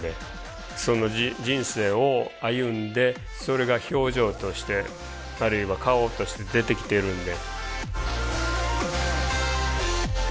その人生を歩んでそれが表情としてあるいは顔として出てきてるんで。